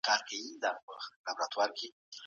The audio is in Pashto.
ایا بهرني سوداګر انځر پروسس کوي؟